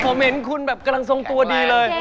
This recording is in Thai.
ผมเห็นคุณแบบกำลังทรงตัวดีเลย